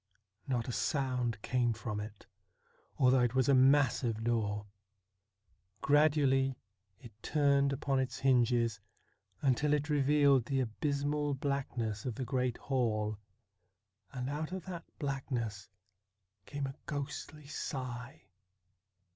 Not a sound came from it, although it was a massive door. Gradually it turned upon its hinges, until it revealed the abysmal blackness of the great hall, and out of that blackness came a ghostly sigh.